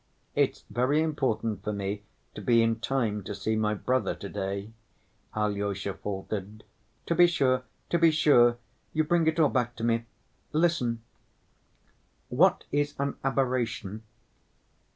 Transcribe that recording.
"It's very important for me to be in time to see my brother to‐day," Alyosha faltered. "To be sure, to be sure! You bring it all back to me. Listen, what is an aberration?"